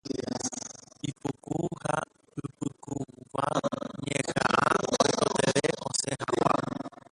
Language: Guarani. Ipuku ha ipypukúva ñehaʼã oikotevẽ osẽ haḡua.